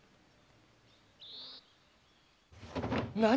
何？